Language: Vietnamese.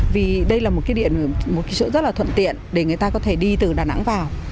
vì đây là một cái điện một cái chỗ rất là thuận tiện để người ta có thể đi từ đà nẵng vào